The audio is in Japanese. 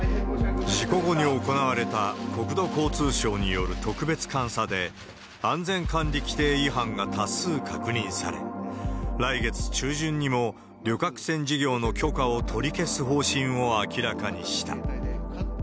事故後に行われた国土交通省による特別監査で、安全管理規程違反が多数確認され、来月中旬にも旅客船事業の許可を取り消す方針を明らかにした。